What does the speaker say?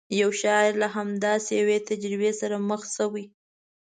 یو شاعر له همداسې یوې تجربې سره مخ شوی.